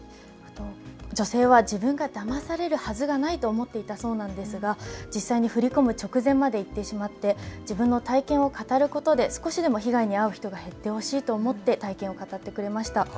女性は自分がだまされるはずがないと思っていたそうですが実際に振り込む直前まで行ってしまい自分の体験を語ることで少しでも被害に遭う人が減ってほしいと思って体験を語ってくれました。